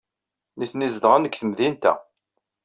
Nitni zedɣen deg temdint-a.